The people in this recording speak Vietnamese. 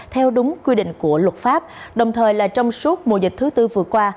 theo đúng quy định của luật pháp đồng thời là trong suốt mùa dịch thứ tư vừa qua